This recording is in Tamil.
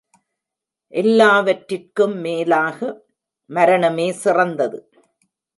எல்லாவற்றிற்கும் மேலாக , மரணமே சிறந்தது.